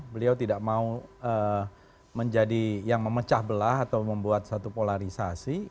beliau tidak mau menjadi yang memecah belah atau membuat satu polarisasi